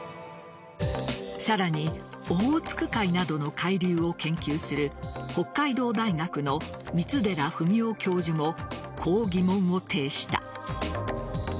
さらにオホーツク海などの海流を研究する北海道大学の三寺史夫教授もこう疑問を呈した。